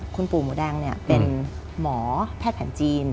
คุณปู่หมูแดงเป็นหมอแพทย์แผนจีน